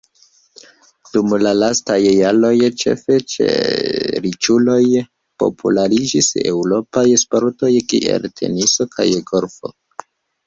Dum la lastaj jaroj, ĉefe ĉe riĉuloj populariĝis eŭropaj sportoj kiel teniso kaj golfo.